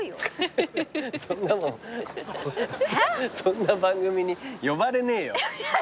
そんな番組に呼ばれねえよ。